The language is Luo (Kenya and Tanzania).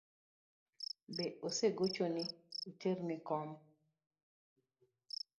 Be osegochoni ni iter ne kom?